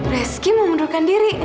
reski memundurkan diri